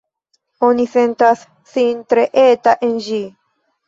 Oni sentas sin tre eta en ĝi.